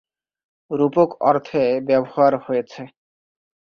রুপক অর্থে ব্যবহার হয়েছে।